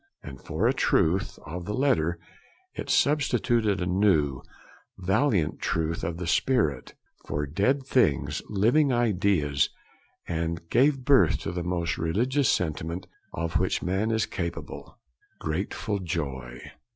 And for a truth of the letter it substituted a new, valiant truth of the spirit; for dead things, living ideas; and gave birth to the most religious sentiment of which man is capable: grateful joy.